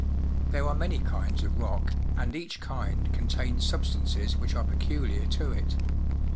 There are many kinds of rock, and each kind contains substances which are pecu liar to it.